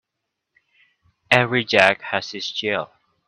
Every Jack has his Jill